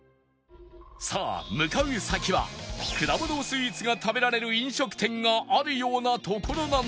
さあ向かう先はくだものスイーツが食べられる飲食店があるような所なのか？